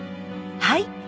はい！